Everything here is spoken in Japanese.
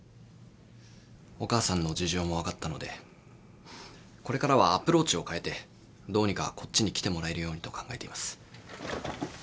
お母さんの事情も分かったのでこれからはアプローチを変えてどうにかこっちに来てもらえるようにと考えています。